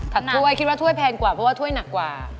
ถ้วยคิดว่าถ้วยแพงกว่าเพราะว่าถ้วยหนักกว่า